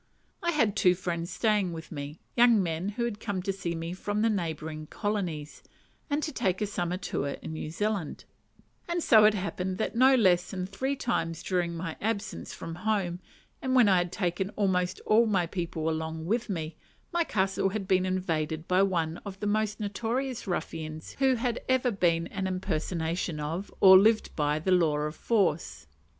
I had two friends staying with me, young men who had come to see me from the neighbouring colonies, and to take a summer tour in New Zealand; and it so happened that no less than three times during my absence from home, and when I had taken almost all my people along with me, my castle had been invaded by one of the most notorious ruffians who had ever been an impersonation of, or lived by, the law of force.